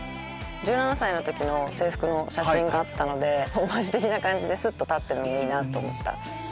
１７歳の時の制服の写真があったのでオマージュ的な感じでスッと立ってるのがいいなと思った。